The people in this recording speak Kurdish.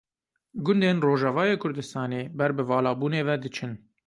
Gundên Rojavayê Kurdistanê ber bi valabûnê ve diçin.